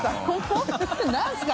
何ですか？